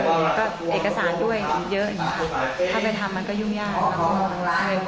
มันก็เอกสารด้วยเยอะอย่างนี้